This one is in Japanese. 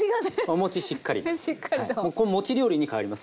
餅料理に変わります